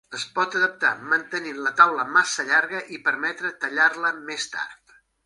Es pot adaptar mantenint la taula massa llarga i permetre tallar-la més tard.